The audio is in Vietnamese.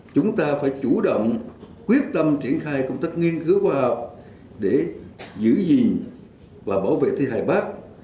chúng ta phải chủ động quyết tâm triển khai công tác nghiên cứu khoa học để giữ gìn và bảo vệ thi hài bắc